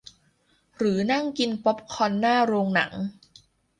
หรือนั่งกินป๊อปคอร์นหน้าโรงหนัง